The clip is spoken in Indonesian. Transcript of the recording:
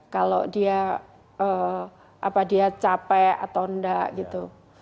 kalau dia capek atau enggak gitu